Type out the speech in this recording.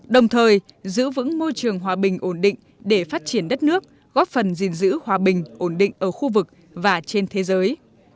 đồng thời giữ vững môi trường hòa bình ổn định để phát triển đất nước góp phần gìn giữ hòa bình ổn định ở khu vực và trên thế giới